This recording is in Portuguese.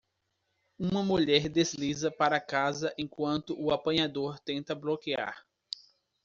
Uma mulher desliza para casa enquanto o apanhador tenta bloquear.